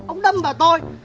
ông đâm vào tôi